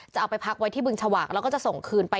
จะเอาไปพักไว้ที่บึงฉวากแล้วก็จะส่งคืนไป